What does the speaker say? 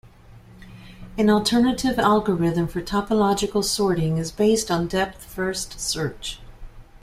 An alternative algorithm for topological sorting is based on depth-first search.